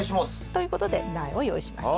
ということで苗を用意しました。